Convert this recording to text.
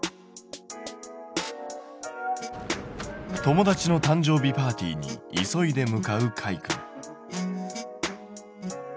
友達の誕生日パーティーに急いで向かうかいくん。